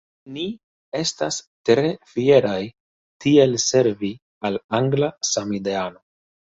Ni estas tre fieraj tiel servi al angla samideano.